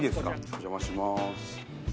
お邪魔します。